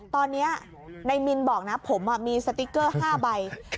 ตอนนี้นายมินบอกนะผมมีสติ๊กเกอร์๕ใบ